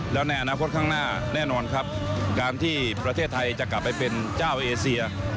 แล้วในอนาคตข้างหน้าแน่นอนครับการที่ประเทศไทยจะกลับไปเป็นเจ้าเอเซีย